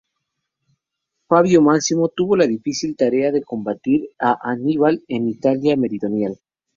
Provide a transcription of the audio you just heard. Fabio Máximo tuvo la difícil tarea de combatir a Aníbal en la Italia meridional.